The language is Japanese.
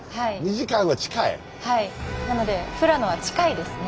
なので富良野は近いですね。